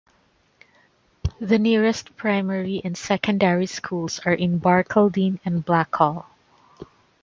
The nearest primary and secondary schools are in Barcaldine and Blackall.